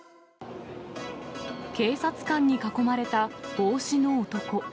警察官に囲まれた帽子の男。